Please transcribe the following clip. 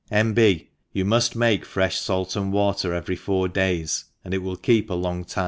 JV* B. You muft make .frefli fait and water every four days, and it will keep a long time.